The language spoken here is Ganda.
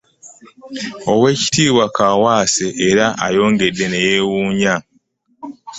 Oweekitiibwa Kaawaase era ayongedde ne yeewuunya